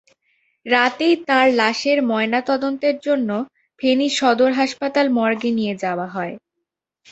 রাতেই তাঁর লাশের ময়নাতদন্তের জন্য ফেনী সদর হাসপাতাল মর্গে নিয়ে যাওয়া হয়।